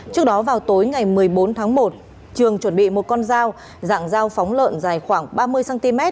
trước đó vào tối ngày một mươi bốn tháng một trường chuẩn bị một con dao dạng dao phóng lợn dài khoảng ba mươi cm